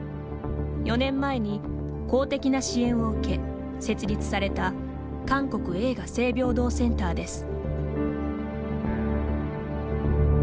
４年前に公的な支援を受け設立された韓国映画性平等センターです。